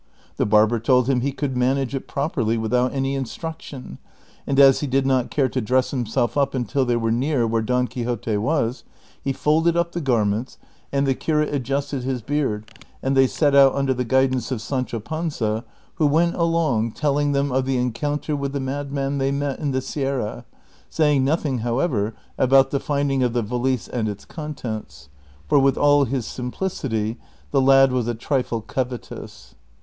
The barber told him he could manage it properly without any instruction, and as he did not care to dress himself up until they were near where Don Quixote was, he folded up the ■ Wamba, a king of the Gothic line who reigned from 672 to 680. CHAPTER XXVII. 213 garments, and the curate adjusted his beard, and they set out under the guidance of Sancho Panza, who went along telling them of the encounter with the madman they met in the Sierra, saying nothing, however, about the finding of the valise and its contents ; for with all his simplicity the lad was a trifle covetous.